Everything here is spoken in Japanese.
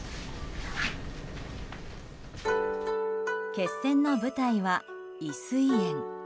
決戦の舞台は、渭水苑。